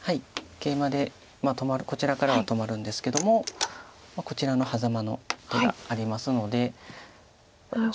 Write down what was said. ケイマでこちらからは止まるんですけどもこちらのハザマの手がありますので。